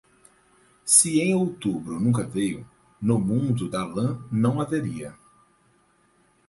Se em outubro nunca veio, no mundo da lã não haveria.